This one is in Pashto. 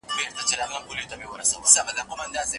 زه يو څه ورته وايم دده د ځان سره جڼه جڼه وي .